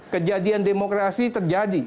kejadian demokrasi terjadi